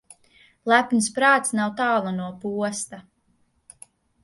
Lepns prāts nav tālu no posta.